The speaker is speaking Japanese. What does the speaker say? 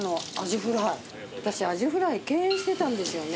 私アジフライ敬遠してたんですよね。